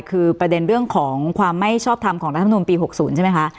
คือประเด็นเรื่องของความไม่ชอบทำของรัฐมนุนปี๖๐ใช่ไหมคะ